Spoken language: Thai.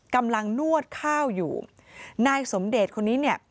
นวดข้าวอยู่นายสมเดชน์คนนี้เนี่ย